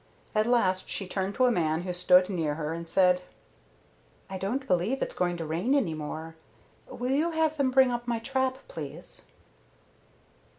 At last she turned to a man who stood near her and said: "I don't believe it's going to rain any more. Will you have them bring up my trap, please?"